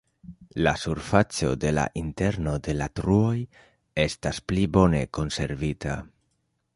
La surfaco de la interno de la truoj estas pli bone konservita.